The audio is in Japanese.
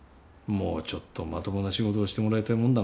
もうちょっとまともな仕事をしてもらいたいもんだがね。